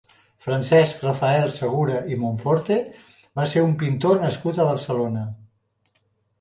Francesc Rafael Segura i Monforte va ser un pintor nascut a Barcelona.